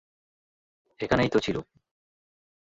এখানেই তো ছিল!